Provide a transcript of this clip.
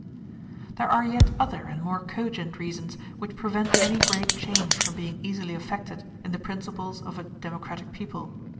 There are yet other and more cogent reasons which prevent any great change from being easily effected in the principles of a democratic people.